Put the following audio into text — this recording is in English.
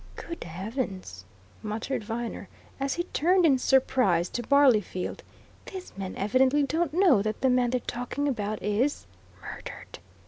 "Good heavens!" muttered Viner, as he turned in surprise to Barleyfield. "These men evidently don't know that the man they're talking about is " "Murdered!"